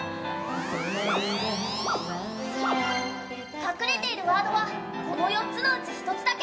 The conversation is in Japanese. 隠れているワードは、この４つのうち１つだけ。